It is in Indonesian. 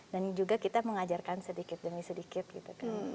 dan juga kita mengajarkan sedikit demi sedikit